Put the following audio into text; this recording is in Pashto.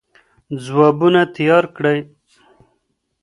ځوابونه تيار کړئ.